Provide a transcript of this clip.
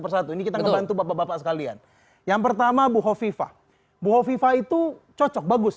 persatu ini kita ngebantu bapak bapak sekalian yang pertama bu hovifah buho viva itu cocok bagus